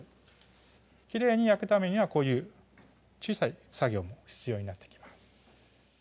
きれいに焼くためにはこういう小さい作業も必要になってきます